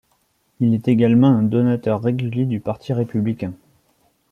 Il est également un donateur régulier du Parti républicain.